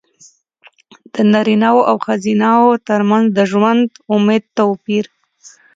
د نارینه وو او ښځینه وو ترمنځ د ژوند د امید توپیر.